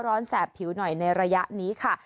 แสบผิวหน่อยในระยะนี้ค่ะ